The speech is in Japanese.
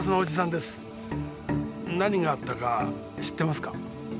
何があったか知ってますか？